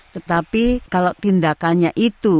tetapi kalau tindakannya itu